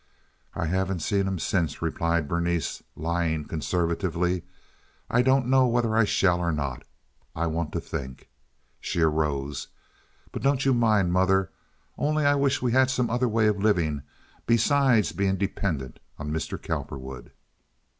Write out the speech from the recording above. "I haven't seen him since," replied Berenice, lying conservatively. "I don't know whether I shall or not. I want to think." She arose. "But don't you mind, mother. Only I wish we had some other way of living besides being dependent on Mr. Cowperwood."